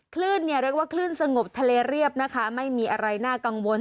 คลื่นเนี่ยเรียกว่าคลื่นสงบทะเลเรียบนะคะไม่มีอะไรน่ากังวล